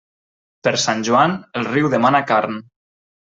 Per Sant Joan, el riu demana carn.